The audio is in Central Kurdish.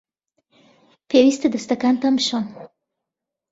پێویستە دەستەکانتان بشۆن.